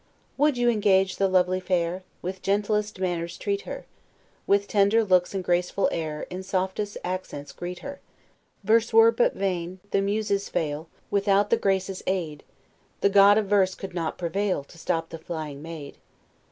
Would you engage the lovely fair? With gentlest manners treat her; With tender looks and graceful air, In softest accents greet her. Verse were but vain, the Muses fail, Without the Graces' aid; The God of Verse could not prevail To stop the flying maid.